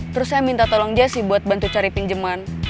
terus saya minta tolong jesse buat bantu cari pinjeman